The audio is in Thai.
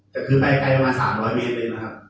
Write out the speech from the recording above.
จะไปไกลประมาณ๓๐๐เมตรเลยไหมครับ